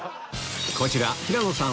こちら平野さん